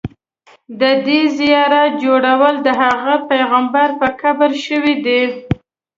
د دې زیارت جوړول د هغه پیغمبر په قبر شوي دي.